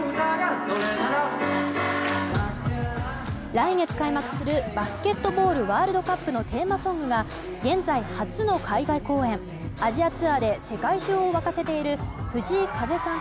来月開幕するバスケットボールワールドカップのテーマソングが現在初の海外公演アジアツアーで世界中を沸かせている藤井風さん